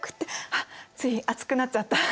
あっつい熱くなっちゃった。